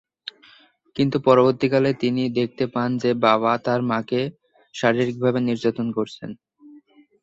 কিন্তু পরবর্তীকালে তিনি দেখতে পান যে বাবা তার মাকে শারীরিকভাবে নির্যাতন করছেন।